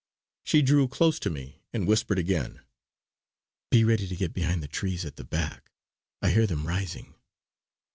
She drew close to me and whispered again: "Be ready to get behind the trees at the back, I hear them rising."